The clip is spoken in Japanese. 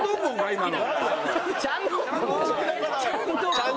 今の。